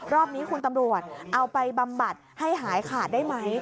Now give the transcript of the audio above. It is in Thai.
รอบนี้คุณตำรวจเอาไปบำบัดให้หายขาดได้ไหม